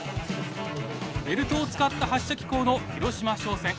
ベルトを使った発射機構の広島商船。